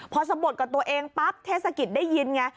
พอสะบดกับตัวเองปั๊บเทศกิจได้ยินไง